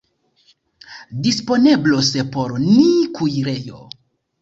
Disponeblos por ni kuirejo.